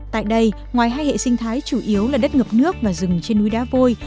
tại đây ngoài hai hệ sinh thái chủ yếu là đất ngập nước và rừng trên núi đá vôi